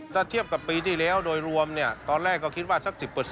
ถ้าเทียบกับปีที่แล้วโดยรวมตอนแรกก็คิดว่าสัก๑๐